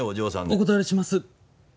お断りします。